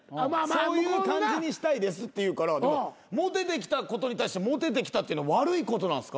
そういう感じにしたいですって言うからモテてきたことに対してモテてきたって言うの悪いことなんですか？